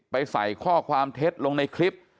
ใส่ข้อความเท็จลงในคลิป